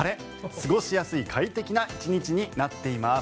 過ごしやすい快適な１日になっています。